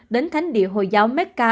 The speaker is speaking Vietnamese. đến thánh địa hồi giáo mecca